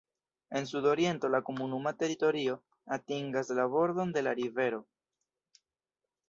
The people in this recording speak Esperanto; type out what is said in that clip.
En sudoriento la komunuma teritorio atingas la bordon de la rivero.